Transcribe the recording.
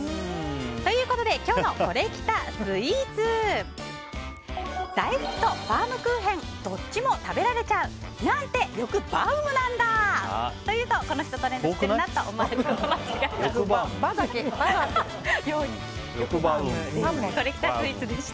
ということで今日のコレきたスイーツ大福とバウムクーヘンどっちも食べられちゃう！なんてよくバウムなんだ！と言うと、この人トレンド知ってるなと思われること間違いなしです。